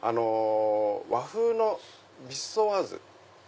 和風のビシソワーズ。